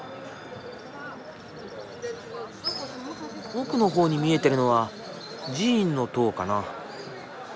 奥の方に見えているのは寺院の塔かな。